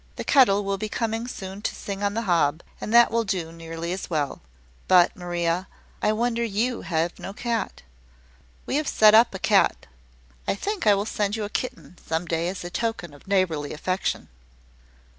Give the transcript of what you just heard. The kettle will be coming soon to sing on the hob: and that will do nearly as well. But, Maria, I wonder you have no cat. We have set up a cat. I think I will send you a kitten, some day, as a token of neighbourly affection."